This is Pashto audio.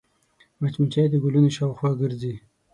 مچمچۍ د ګلونو شاوخوا ګرځي